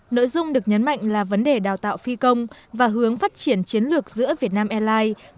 nội dung được nhấn mạnh là vấn đề đào tạo phi công và hướng phát triển chiến lược giữa việt nam airlines